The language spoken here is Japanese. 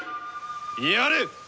やれ！